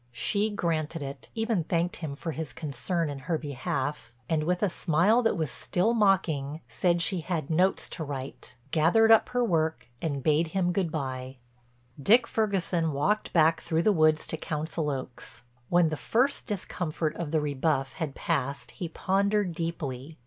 She granted it, even thanked him for his concern in her behalf and with a smile that was still mocking, said she had notes to write, gathered up her work, and bade him good by. Dick Ferguson walked back through the woods to Council Oaks. When the first discomfort of the rebuff had passed he pondered deeply.